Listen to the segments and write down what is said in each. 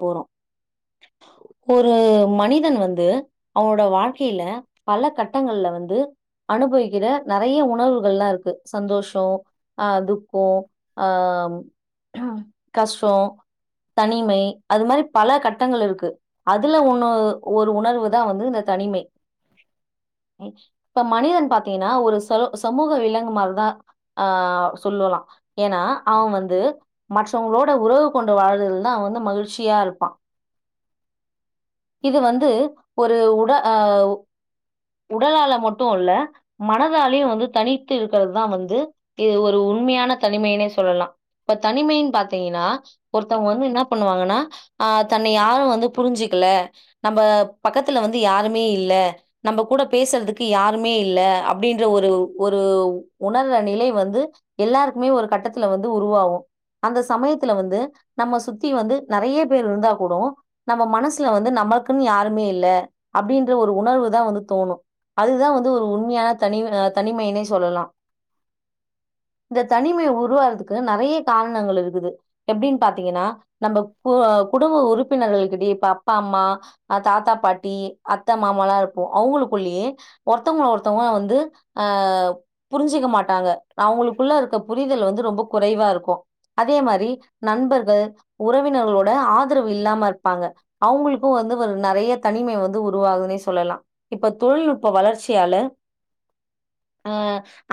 போறோ ஒரு மனிதன் வந்து அவனோட வாழ்க்கையில பல கட்டங்கள்ல வந்து அனுபவிக்கிற நெறைய உணர்வுகள்லா இருக்கு சந்தோஸோ அ துக்கோ ஆ கஷ்டோ தனிமை அது மாரி பல கட்டங்கள் இருக்கு அதுல ஒன்னு ஒரு உணர்வு தா வந்து இந்த தனிமை இப்ப மனிதன் பாத்தீங்கன்னா ஒரு ச சமூக விலங்கு மாரிதா ஆ சொல்லுலா ஏன்னா அவ வந்து மற்றவங்களோட உறவு கொண்டு வாழ்தல தா அவ வந்து மகிழ்ச்சி சியா இருப்பா இது வந்து ஒரு உட ஆவ் உடலால மட்டு இல்ல மனதாலயு வந்து தனித்து இருக்கிறதுதா வந்து இது ஒரு உண்மையான தனிமைனே சொல்லலா இப்ப தனிமைன் பாத்தீங்கன்னா ஒருத்தவங்க வந்து என்னா பண்ணுவாங்கன்னா ஆ தன்னை யாரு வந்து புரிஞ்சுக்ல நம்ம பக்கத்துல வந்து யாருமே இல்ல நம்ம கூட பேசுறதுக்கு யாருமே இல்ல அப்படின்ற ஒரு ஒரு உணர்ர நிலை வந்து எல்லாருக்குமே ஒரு கட்டத்துல வந்து உருவாகு அந்த சமயத்துல வந்து நம்ம சுத்தி வந்து நெறைய பேர் இருந்தா கூடு நம்ம மனசுல வந்து நம்மளுக்குன்னு யாருமே இல்ல அப்படின்ற ஒரு உணர்வு தா வந்து தோணு அதுதா வந்து ஒரு உண்மையான தனி் தனிமைனே சொல்லலா இந்த தனிமை உருவாறதுக்கு நெறைய காரணங்கள் இருக்குது எப்டின்னு பாத்தீங்கன்னா நம்ம கூ குடும்ப உறுப்பினர்கள் கிட்டயே இப்ப அப்பம்மா ஆ தாத்தா பாட்டி அத்த மாமல்லா இருப்போ அவங்களுக்குள்ளயே ஒருத்தவங்கள ஒருத்தங்களா வந்து ஆ புரிஞ்சிக்க மாட்டாங்க அவங்களுக்குள்ள இருக்க புரிதல் வந்து ரொம்ப குறைவா இருக்கு அதே மாரி நண்பர்கள் உறவினர்களோட ஆதரவு இல்லாம இருப்பாங்க அவங்களுக்கு வந்து ஒரு நெறைய தனிமை வந்து உருவாகுதுன்னே சொல்லலா இப்ப தொழில்நுட்ப வளர்ச்சியால ஆ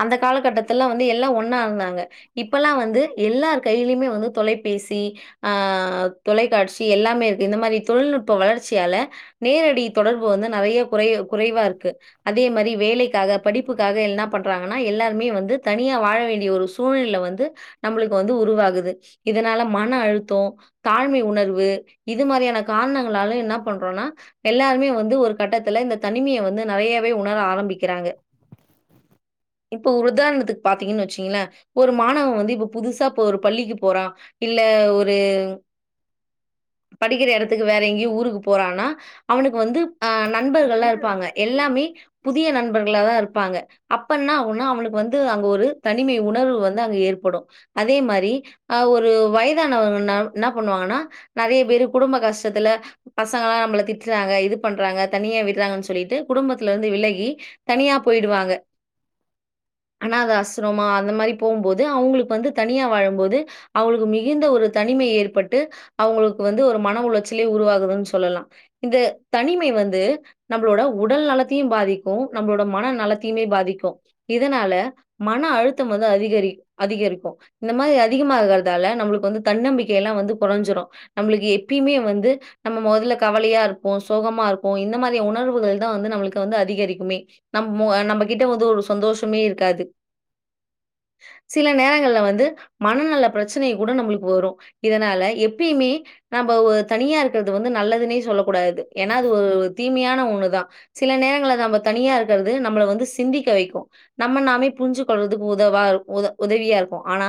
அந்த காலகட்டத்துல்லா வந்து எல்லா ஒண்ணா இருந்தாங்க இப்பெல்லா வந்து எல்லார் கையிலயுமே வந்து தொலைபேசி ஆ ஆ தொலைக்காட்சி எல்லாமே இருக்கு இந்த மாரி தொழில்நுட்ப வளர்ச்சியால நேரடி தொடர்பு வந்து நெறையா குறை குறைவா இருக்கு அதே மாரி வேலைக்காக படிப்புக்காக என்னா பண்றாங்கன்னா எல்லாருமே வந்து தனியா வாழ வேண்டிய ஒரு சூ சூழ்நில வந்து நம்மளுக்கு வந்து உருவாகுது இதனால மன அழுத்தோ தாழ்மை உணர்வு இது மாரியான காரணங்களால என்னா பண்ரோன்னா எல்லாருமே வந்து ஒரு கட்டத்துல இந்த தனிமைய வந்து நெறையாவே உணர ஆரம்பிக்கிறாங்க இப்ப உதாரணத்துக்கு பாத்தீங்கன்னு வச்சீங்களே ஒரு மாணவ வந்து இப்ப புதுசா இப்ப ஒரு பள்ளிக்கு போறா இல்ல ஒரு படிக்கிற எடத்துக்கு வேற எங்கியு ஊருக்கு போறான்னா அவனுக்கு வந்து ஆ நண்பர்கள்லா இருப்பாங்க எல்லாமே புதிய நண்பர்களா தா இருப்பாங்க அப்ப என்னாவுனா அவனுக்கு வந்து அங்க ஒரு தனிமை உணர்வு வந்து அங்க ஏற்படு அதே மாரி ஆ ஒரு வயதானவங்கனா என்னா பண்ணுவாங்கன்னா நறைய பேரு குடும்ப கஷ்டத்துல பசங்கல்லா நம்மள திட்றாங்க இது பண்றாங்க தனியா விட்றாங்கன் சொல்லிட்டு குடும்பத்துலருந்து விலகி தனியா போய்டுவாங்க அனாத ஆஸ்ரமா அந்த மாரி போம்போது அவுங்களுக்கு வந்து தனியா வாழும்போது அவுங்களுக்கு மிகுந்த ஒரு தனிமை ஏற் பட்டு அவுங்களுக்கு வந்து ஒரு மன உளச்சலே உருவாகுதுன் சொல்லலா இந்த தனிமை வந்து நம்ளோட உடல் நலத்தையு பாதிக்கு நம்ளோட மன நலத்தையுமே பாதிக்கு இதனால மன அழுத்தம் வந்து அதிகரி அதிகரிக்கு இந்த மாரி அதிகமாகறதால நம்மளுக்கு வந்து தன்னம்பிக்கையல்லா வந்து கொறஞ்சுரு நம்ளுக்கு எப்பியிமே வந்து நம்ம மொதல்ல கவலயாருப்போ சோகமாருக்கு இந்த மாரியா உணர்வுகள் தா வந்து நம்மளுக்கு வந்து அதிகரிக்குமே நம் மு நம்ம கிட்ட வந்து ஒரு சந்தோஷமே இருக்காது சில நேரங்கள்ல வந்து மனநல பிரச்சனை கூட நம்மளுக்கு வரு இதனால எப்பிய்மே நம்பவு தனியா இருக்றது வந்து நல்லதுனே சொல்ல கூடாது ஏன்னா அது ஒரு தீமயான ஒண்ணுதா சில நேரங்கள்ல நம்ம தனியா இருக்றது நம்மள வந்து சிந்திக்க வெக்கு நம்ம நாமே புரிஞ்சு கொள்றதுக்கு உதவாரு உத உதவியாருக்கு ஆனா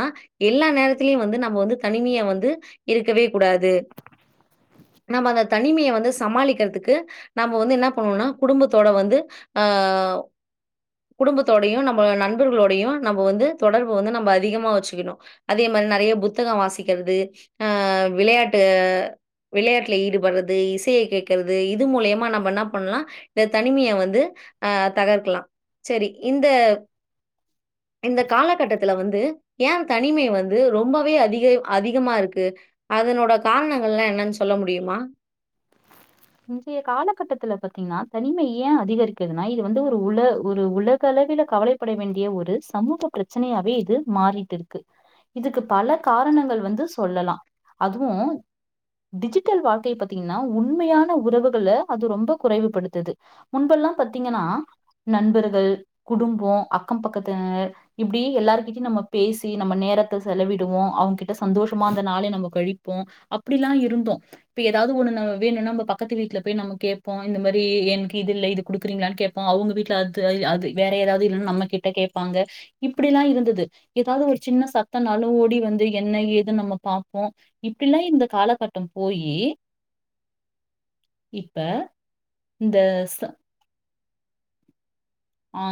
எல்லா நேரத்திலயு வந்து நம்ம வந்து தனிமயா வந்து இருக்கவே கூடாது நம்ம அந்த தனிமைய வந்து சமாளிக்கிறதுக்கு நம்ம வந்து என்ன பண்ணுனா குடும்பத்தோட வந்து ஆ குடும்பத்தோடயு நம்ப நண்பர்களோடயு நம்ப வந்து தொடர்பு வந்து நம்ப அதிகமா வச்சுக்கணு அதே மாரி நறைய புத்தகோ வாசிக்கிறது ஆ விளயாட்டு விளயாட்ல ஈடுபடுறது இசைய கேக்குறது இது மூலியமா நம்ப என்ன பண்லா இந்த தனிமய வந்து ஆ தகர்க்கலா சேரி இந்த இந்த காலகட்டத்துல வந்து ஏ தனிமை வந்து ரொம்பவே அதிக அதிகமாரு க்கு அதனோட காரணங்கள்ல்லா என்னன் சொல்ல முடிமா இன்றைய காலகட்டத்துல பாத்தீங்கன்னா தனிமை ஏ அதிகரிக்கதுன்னா இது வந்து ஒரு உல ஒரு உலக அளவில கவலை பட வேண்டிய ஒரு சமூக பிரச்சனயாவே இது மாறிட்டுருக்கு இதுக்கு பல காரணங்கள் வந்து சொல்லலா அதுவு டிஜிட்டல் வாழ்க்கை பாத்தீங்கன்னா உண்மயா ன உறவுகள அது ரொம்ப குறைவுபடுத்துது முன்பல்லா பாத்தீங்கன்னா நண்பர்கள் குடும்போ அக்கோ பக்கத்தினர் இப்டி எல்லாருகிட்டயு நம்ம பேசி நம்ம நேரத்த செலவிடுவோ அவுங்கிட்ட சந்தோஷமா அந்த நாளே நம்ம கழிப்போ அப்டிலா இருந்தோ இப்ப எதாவ்து ஒண்ணு ந வேணுனா நம்ப பக்கத்து வீட்ல போய் நம்ம கேப்போ இந்த மாரி என்க்கு இது இல்ல இது குடுக்குறீங்ளான் கேப்போ அவுங்க வீட்ல அ து அது வேற எதாவ்து இல்லன்னா நம்ம கிட்ட கேப்பாங்க இப்டிலா இருந்தது எதாவ்து ஒரு சின்ன சத்தனாலு ஓடி வந்து என்ன ஏது நம்ம பாப்போ இப்பிலா இந்த காலகட்டம் போயி இப்ப இந்த ச ஆ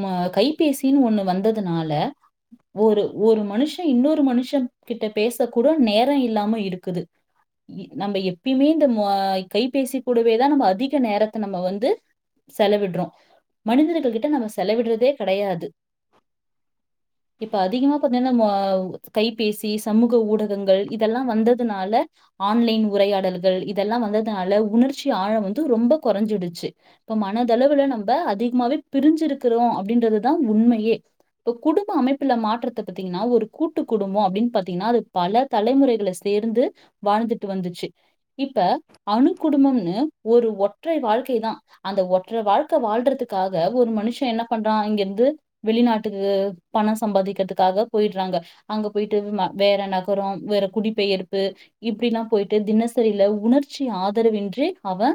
ம கைபேசின் ஒண்ணு வந்ததுனால ஒரு ஒரு மனுஷேன் இன்னொரு மனுஷன் கிட்ட பேச கூட நேரொ இல்லாம இருக்குது இ நம்ப எப்பயுமே இந்த ம்ம கைபேசி கூடவேதா நம்ம அதிக நேரத்த நம்ம வந்து செலவிட்றோ மனிதர்கள் கிட்ட நம்ம செலவிடுறதே கெடையாது இப்ப அதிகமா கொஞ்ச நாள் ம கைபேசி சமூக ஊடகங்கள் இதெல்லா வந்ததுனால ஆன்லைன் உரையாடல்கள் இதெல்லா வந்ததுனால உணர்ச்சி ஆழம் வந்து ரொம்ப கொறஞ்சிடுச்சு இப்ப மனதளவுல நம்ம அதிகமாவே பிரிஞ்சிருக்கிறோ அப்டின்றதுதா உண்மையே இப்போ குடும்ப அமைப்புல மாற்றத்த பாத்தீங்கன்னா ஒரு கூட்டு குடும்போ அப்டின்னு பாத்தீங்னா அது பல தலைமுறைகள சேர்ந்து வாழ்ந்துட்டு வந்துச்சு இப்ப அணு குடும்பம்னு ஒரு ஒற்றை வாழ்க்கை தா அந்த ஒற்ற வாழ்க்க வாழ்றதுகாக ஒரு மனுஷே என்ன பண்றா இங்கருந்து வெளிநாட்டுக்கு பணோ சம்பாதிக்கிறதுக்காக போயிட்றாங்க அங்க போயிட்டு ம வேற நகரோ வேற குடிபெயர்ப்பு இப்டிலா போயிட்டு தினச் தெரில்ல உணர்ச்சி ஆதரவின்றி அவே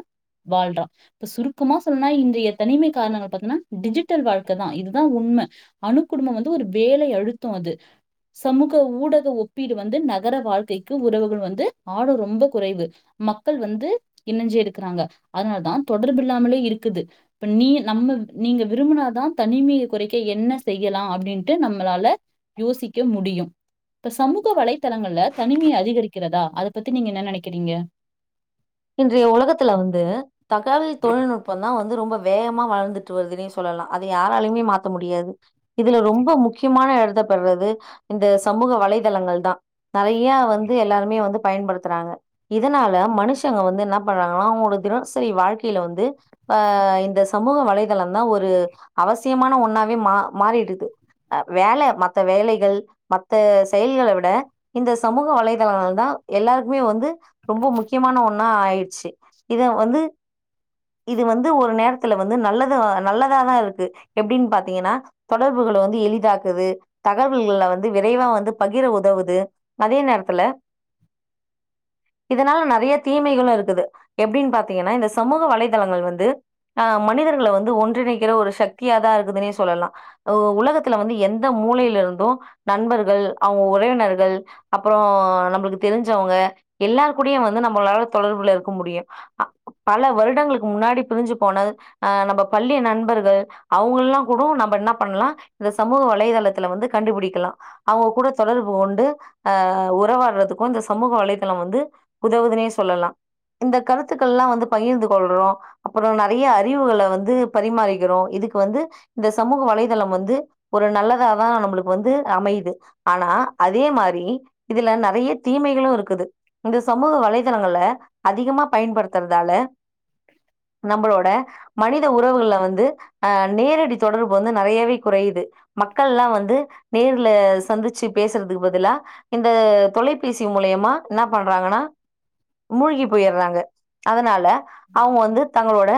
வாழ்றா இப்ப சுருக்கமா சொல்லனுன்னா இன்றைய தனிமை காரணங்கள் பாத்தன்னா டிஜிட்டல் வாழ்க்கதா இதுதா உண்ம அணுக்குடும்பம் வந்து ஒரு வேலை அழுத்தோ அது சமூக ஊடக ஒப்பீடு வந்து நகர வாழ்க்கைக்கு உறவுகள் வந்து ஆடு ரொம்ப குறைவு மக்கள் வந்து இணஞ்சி இருக்குறாங்க அதனால தா தொடர்பு இல்லாமலே இருக்குது இப்ப நீ நம்ம வி நீங்க விரும்புனாதா தனிமய குறைக்க என்ன செய்யலா அப்டின்ட்டு நம்மளால யோசிக்க முடியு இப்ப சமூக வலைத்தளங்கள்ல தனிமை அதிகரிக்கிறதா அத பத்தி நீங்க என்ன நெனக்கிறீங்க இன்றைய ஒலகத்துல வந்து தகாவல் தொழில்நுட்பம் தா வந்து ரொம்ப வேகமா வளர்துட்டு வருதுன்னே சொல்லலா அத யாராலயுமே மாத்த முடியாது இதுல ரொம்ப முக்கியமான எடத்த பெர்றது இந்த சமூக வலைதளங்கள் தா தலையா வந்து எல்லாருமே வந்து பயன்படுத்துறாங்க இதனால மனுஷ் ஷங்க வந்து என்ன பண்றாங்கன்னா அவங்களோட தினசரி வாழ்க்கைல வந்து ஆ இந்த சமூக வலைதளந்தா ஒரு அவசியமான ஒன்னாவே மா மாறிடுது ஆ வேல மத்த வேலைகள் மத்த செயல்கள விட இந்த சமூக வலைதளங்கள்தா எல்லாருக்குமே வந்து ரொம்ப முக்கியமான ஒன் னா ஆயிச்சி இத வந்து இது வந்து ஒரு நேரத்துல வந்து நல்லது நல்லதாதா இருக்கு எப்டின்னு பாத்தீங்கன்னா தொடர்புகள வந்து எளிதாக்குது தகவல்கள வந்து விரைவா வந்து பகிர உதவுது அதே நேரத்துல இதனால நெறயத் தீமைகளு இருக்குது எப்டின் பாத்தீங்கன்னா இந்த சமூக வலைதளங்கள் வந்து ஆ மனிதர்கள வந்து ஒன்றிணைக்கிற ஒரு சக்தியாதா இருக்குதுன்னே சொல்லலா ஒ உலகத்துல வந்து எந்த மூலைல இருந்து நண்பர்கள் அவுங்க உறவினர்கள் அப்பறோ நம்மளுக்கு தெரிஞ்சவுங்க எல்லாரு கூடையு வந்து நம் மளால தொடர்புல இருக்க முடியு அ பல வருடங்களுக்கு முன்னாடி பிரிஞ்சி போன ஆ நம்ப பள்ளி நண்பர்கள் அவுங்கல்லா கூட நம்ம என்ன பண்ணலா இந்த சமூக வலைதளத்துல வந்து கண்டுபுடிக்கலா அவுங்க கூட தொடர்பு கொண்டு ஆ உறவாடுறதுக்கு இந்த சமூக வலைத்தளம் வந்து உதவுதுன்னே சொல்லலா இந்த கருத்துக்கள்லா வந்து பகிர்ந்து கொள்றோ அப்றோ நெறையா அறிவுகள வந்து பரிமாறிக்கிறோ இதுக்கு வந்து இந்த சமூக வலைதளம் வந்து ஒரு நல்லதாதா நம்பளுக்கு வந்து அமையுது ஆனா அதே மாரி இதுல நெறைய தீமைகளு இருக்குது இந்த சமூக வலை தளங்கள அதிகமா பயன்படுத்தறதால நம்பளோட மனித உறவுகள்ல வந்து ஆ நேரடி தொடர்பு வந்து நறையாவே குறையுது மக்கள்ல்லா வந்து நேர்ல சந்திச்சு பேசறதுக்கு பதிலா இந்த தொலைபேசி மூலியமா ன்னா பண்றாங்கன்னா மூழ்கி போயிறாங்க அதனால அவுங்க வந்து தங்களோட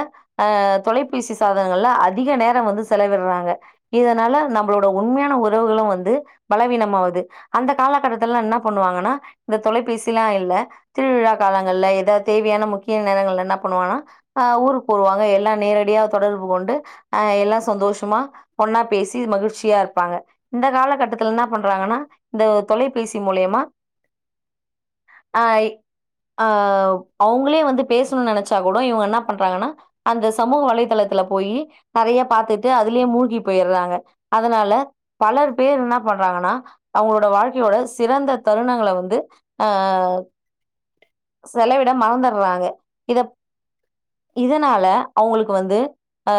அ தொலைபேசி சாதனங்கள்ல அதிக நேரம் வந்து செலவிடுறாங்க இதனால நம்மளோட உண்மையான உறவுகளு வந்து பலவீனமாவுது அந்த காலகட்டத்துல்லா என்ன பண்ணுவாங்கன்னா இந்த தொலைபேசிலா இல்ல திருவிழா காலங்கள்ல எதா தேவையான முக்கிய நேரங்கள்ல என்ன பண்ணுவானா ஆ ஊருக்கு போவாங்க எல்லா நேரடியா தொடர்பு கொண்டு ஆ எல்லா சந்தோஷமா ஒன்னா பேசி மகிழ்ச்சியா இருப்பாங்க இந்த காலகட்டத்துல் ன்னா பண்றாங்கன்னா இந்த தொலைபேசி மூலியமா ஆய் ஆ அவ்ங்களே வந்து பேசணு நெனச்சா கூட இவங்க என்ன பண்றாங்கன்னா அந்த சமூக வலைதளத்துல போயி நறைய்ய பாத்துட்டு அதுலயே மூழ்கி போயிட்றாங்க அதனால பலர் பேர் ன்ன பண்றாங்கன்னா அவங்களோட வாழ்க்கையோட சிறந்த தருணங்கள வந்து ஆ செலவிட மறந்தட்றாங்க இத இதனால அவங்களுக்கு வந்து ஆ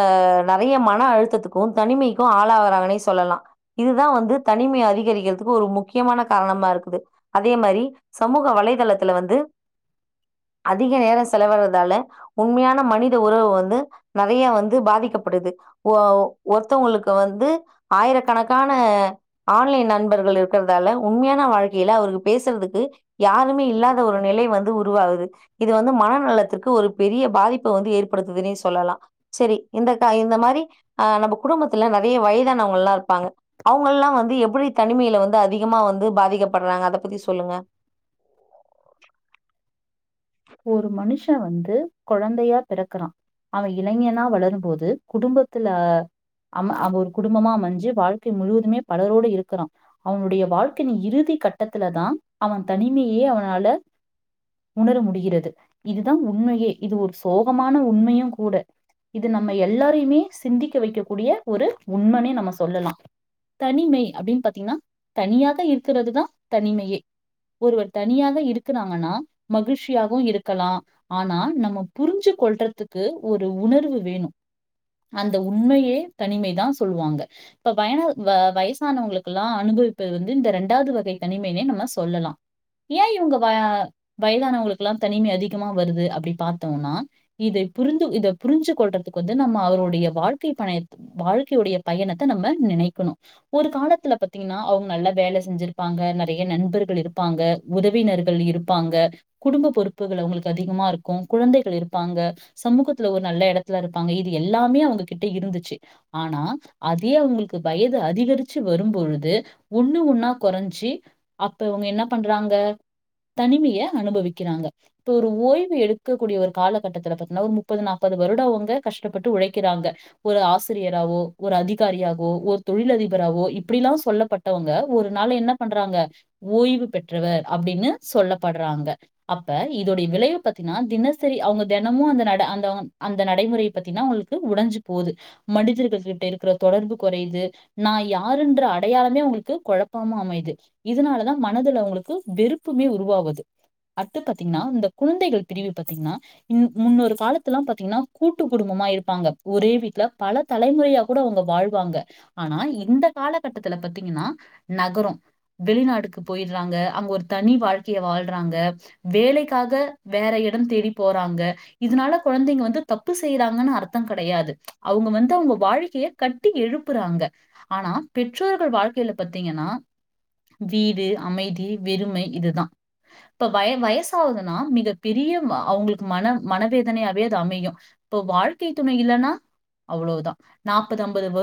நறைய மன அழுத்தத்துக்கு தனிமைக்கு ஆளாவராங்கனே சொல்லலா இதுதா வந்து தனிமை அதிகரிக்கிறதுக்கு ஒரு முக்கியமான காரணமா இருக்குது அதே மாரி சமூக வலைதளத்துல வந்து அதிக நேரொ செலவிறதால உண்மையான மனித உறவு வந்து நறைய வந்து பாதிக்கப்படுது ஒ ஒருத்தவங்களுக்கு வந்து ஆயிரக்கணக்கான ஆன்லைன் நண்பர்கள் இருக்கற்தால உண்மையான வாழ்க்கையில அவருக்கு பேசறதுக்கு யாருமே இல்லா த ஒரு நிலை வந்து உருவாகுது இது வந்து மனநலத்துக்கு ஒரு பெரிய பாதிப்ப வந்து ஏற்படுத்துதுனே சொல்லலா செரி இந்தக இந்த மாரி ஆ நம்ம குடும்பத்துல நறைய வய்தானவங்கல்லா இருப்பாங்க அவ்ங்கல்லா வந்து எப்புடி தனிமைல வந்து அதிகமா வந்து பாதிக்கப்பட்றாங்க அத பத்தி சொல்லுங்க ஒரு மனுஷன் வந்து கொழந்தையா பிறக்குறான் அவன் இளைஞனா வளரும்போது குடும்பத்துல அம் அது ஒரு குடும்பமா அமஞ்சு வாழ்க்கை முழுவதுமே பலரோடு இருக்குறான் அவனுடைய வாழ்க்கனி இறுதி கட்டத்துல தான் அவன் தனிமையே அவனால உணர முடிகிறது இதுதான் உண்மையே இது ஒரு சோகமான உண்மையு கூட இது நம்ம எல்லாரையுமே சிந்திக்க வெக்கக் கூடிய ஒரு உண்மனே நம்ம சொல்லலா தனிமை அப்டின் பாத்தீங்ன்னா தனியாக இருக்கறது தான் தனிமையே ஒருவர் தனியாக இருக்குறாங்கன்னா மகிழ்ச்சி யாவும் இருக்கலா ஆனா நம்ம புரிஞ்சு கொள்றதுக்கு ஒரு உணர்வு வேணு அந்த உண்மையே தனிமை தான் சொல்லுவாங்க இப்ப வயன வ வயசானவங்களுக்குல்லா அனுபவிப்பது வந்து இந்த ரெண்டாவது வகை தனிமைைனே நம்ம சொல்லலா ஏன் இவங்க வ வயதானவங்களுக்குல்லா தனிமை அதிகமா வருது அப்டி பாத்தோன்னா இதை புரிந்து இத புரிஞ்சு கொள்றதுக்கு வந்து நம்ம அவருடைய வாழ்க்கை பணை வாழ்க்கையுடைய பயணத்த நம்ம நினைக்கணு ஒரு காலத்துல பாத்தீங்கன்னா அவங் நல்லா வேல செஞ்சிருப்பாங்க நறைய்ய நண்பர்கள் இருப்பாங்க உறவினர்கள் இருப்பாங்க குடும்ப பொறுப்புகள் அவங்களுக்கு அதிகமா இருக்கு குழந்தைகள் இருப்பாங்க சமூகத்துல ஒரு நல்ல எடத்துல இருப்பாங்க இது எல்லாமே அவங்ககிட்ட இருந்துச்சு ஆனா அதே அவுங்களுக்கு வயது அதிகரிச்சு வரும்பொழுது ஒண்ணு ஒன்னா கொறஞ்சி அப்ப அவுங்க என்ன பண்றாங்க தனிமைய அனுபவிக் கிறாங்க இப்ப ஒரு ஓய்வு எடுக்கக்கூடிய ஒரு காலகட்டத்துல பாத்தீன்னா ஒரு முப்பது நாப்பது வருடோ அவுங்க கஷ்டப்பட்டு உழைக்கிறாங்க ஒரு ஆசிரியரவோ ஒரு அதிகாரியாகோ ஒரு தொழிலதிபராவோ இப்படிலா சொல்லப்பட் டவங்க ஒரு நாள் என்ன பண்றாங்க ஓய்வு பெற்றவர் அப்டின்னு சொல்லப்படுறாங்க அப்ப இத உடைய விளைவு பாத்திங்கனா தினசரி அவுங்க தெனமு அந்த நட அந்த அந்த நடைமுறையை பத்திங்கனா அவுங்களுக்கு உடஞ்சு போது மனிதர்கள் கிட்ட இருக்குற தொடர்பு கொறையுது நா யாருன்ற அடையாளமே அவுங்குளுக்கு கொழப்பமா அமையுது இதனாலதா மனதுல அவுங்களுக்கு வெறுப்புமே உருவாவுது அத்து பாத்தீங்கன்னா இந்த குழந்தைகள் பிரிவு பாத்தீங்கன்னா இன் முன்னொரு காலத்துல்லா பாத்தீங்கன்னா கூட்டு குடும்பமா இருப்பாங்க ஒரே வீட்ல பல தலைமுறையா கூட அவுங்க வாழ்வாங்க ஆனா இந்த காலகட்டத்துல பாத்தீங்கன்னா நகரோ வெளிநாடுக்கு போயிடுறாங்க அங்க ஒரு தனி வாழ்க்கைய வாழ்றாங்க வேலைக்காக வேற இடம் தேடி போறாங்க இதனால குழந்தைங்க வந்து தப்பு செய்றாங்கன்னு அர்த்தோ கடையாது அவுங்க வந்து அவுங்க வாழ்க்கைய கட்டி எழுப்புறாங்க ஆனா பெற்றோர்கள் வாழ்க்கையில பாத்தீங்கன்னா வீடு அமைதி வெறுமை இதுதா இப்ப வய வயசு ஆவுதுன்னா மிக பெரிய வ அவுங்களுக்கு மன மனவேதனையாவே அது அமையு இப்போ வாழ்க்கை துணை இல்லனா அவ்ளோதா நாப்பது அம்பது வரு